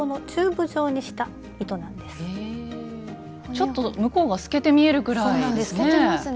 ちょっと向こうが透けて見えるぐらいですね。